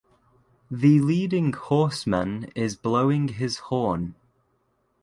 The leading horseman is blowing his horn.